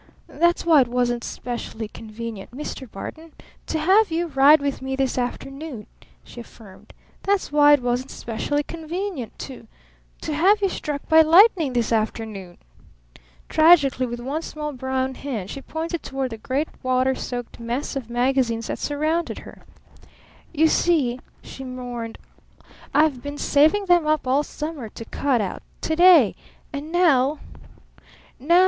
"That's why it wasn't specially convenient, Mr. Barton to have you ride with me this afternoon," she affirmed. "That's why it wasn't specially convenient to to have you struck by lightning this afternoon!" Tragically, with one small brown hand, she pointed toward the great water soaked mess of magazines that surrounded her. "You see," she mourned, "I've been saving them up all summer to cut out to day! And now? Now